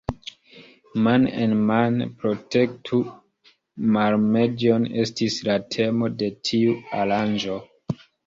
Man-en-mane protektu mar-medion estis la temo de tiu aranĝo.